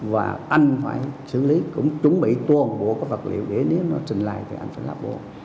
và anh phải xử lý cũng chuẩn bị tuôn bộ các vật liệu để nếu nó trình lại thì anh phải lập bộ